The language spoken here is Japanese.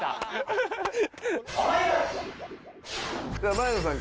前野さん